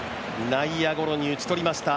内野ゴロに打ち取りました。